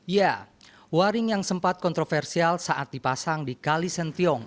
ya waring yang sempat kontroversial saat dipasang di kalisentiong